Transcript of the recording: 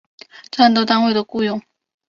战斗单位的雇用。